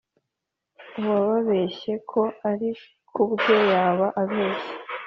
uwababeshya ko ari ku bwe yaba abeshye